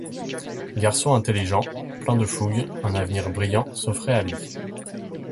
Garçon intelligent, plein de fougue, un avenir brillant s’offrait à lui.